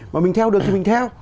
mà mình theo được thì mình theo